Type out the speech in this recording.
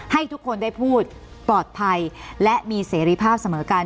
ให้ทุกคนได้พูดปลอดภัยและมีเสรีภาพเสมอกัน